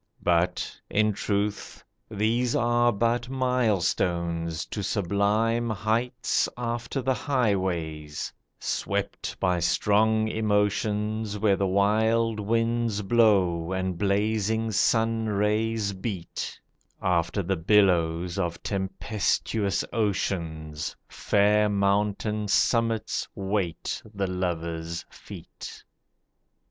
But, in truth, These are but milestones to sublime heights After the highways, swept by strong emotions, Where wild winds blow and blazing sun rays beat, After the billows of tempestuous oceans, Fair mountain summits wait the lover's feet.